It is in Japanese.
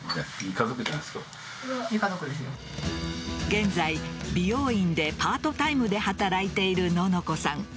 現在、美容院でパートタイムで働いているののこさん。